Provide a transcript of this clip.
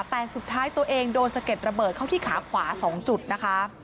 แต่สุดท้ายตัวเองโดนสะเก็ดระเบิดเข้าที่ขาขวา๒จุดนะคะ